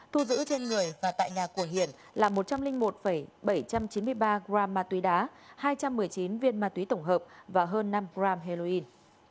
thu giữ trên người và tại nhà của hiển là một trăm linh một bảy trăm chín mươi ba gram ma túy đá hai trăm một mươi chín viên ma túy tổng hợp và hơn năm gram heroin